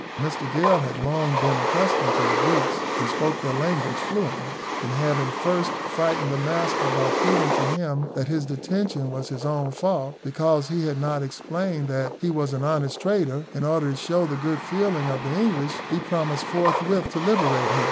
Mr Gale had long been accustomed to the Greeks, and spoke their language fluently; and having first frightened the master by proving to him that his detention was his own fault, because he had not explained that he was an honest trader, in order to show the good feeling of the English, he promised forthwith to liberate him.